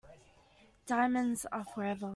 Diamonds are forever.